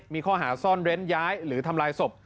มีข้อหาซ่อนเร้นย้ายหรือทำลายศพ